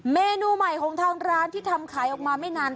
เมนูใหม่ของทางร้านที่ทำขายออกมาไม่นาน